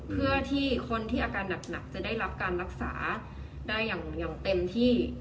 เพื่อที่คนที่อาการหนักจะได้รับการรักษาได้อย่างเต็มที่